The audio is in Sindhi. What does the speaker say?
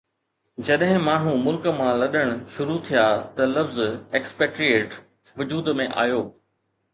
جڏهن ماڻهو ملڪ مان لڏڻ شروع ٿيا ته لفظ Expatriate وجود ۾ آيو